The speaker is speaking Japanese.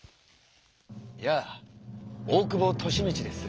やあ大久保利通です。